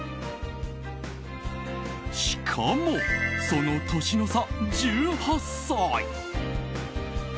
しかも、その年の差１８歳。